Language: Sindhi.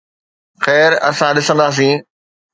خير، اسان ڏسنداسين